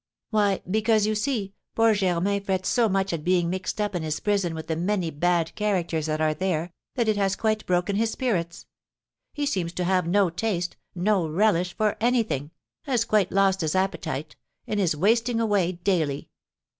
"Why, because, you see, poor Germain frets so much at being mixed up in his prison with the many bad characters that are there, that it has quite broken his spirits; he seems to have no taste, no relish for anything, has quite lost his appetite, and is wasting away daily.